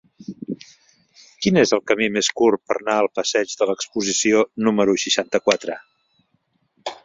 Quin és el camí més curt per anar al passeig de l'Exposició número seixanta-quatre?